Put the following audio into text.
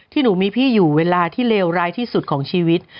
หนูมีพี่อยู่เวลาที่เลวร้ายที่สุดของชีวิต